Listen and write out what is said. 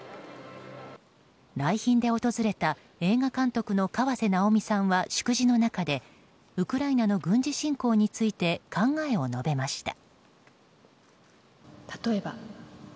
来賓で訪れた映画監督の河瀬直美さんは祝辞の中でウクライナの軍事侵攻について考えを述べました。